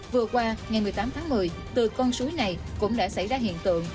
vừa qua ngày một mươi tám tháng một mươi từ con suối này cũng đã xảy ra hiện tượng